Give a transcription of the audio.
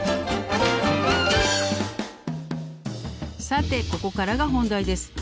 さてここからが本題です。